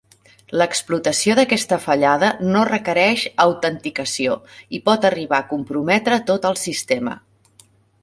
L'explotació d'aquesta fallada, no requereix autenticació, i pot arribar a comprometre a tot el sistema.